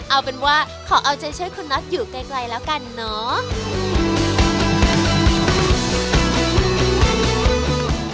ก็เป็นว่าขอเอาเจอเชิญคุณน๊อตอยู่ไกลแล้วกันเนาะ